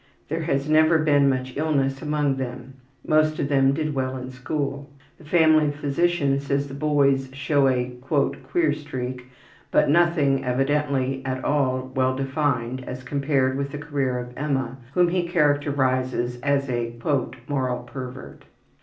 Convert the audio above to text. There has never been much illness among them. Most of them did well in school. The family physician says the boys show a ``queer streak,'' but nothing, evidently, at all well defined as compared with the career of Emma, whom he characterizes as a ``moral pervert.''